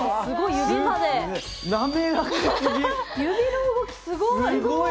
指の動きすごい。